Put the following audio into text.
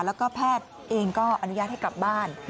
แล้วก็แพทย์เองก็อนุญาตให้กลับบ้าน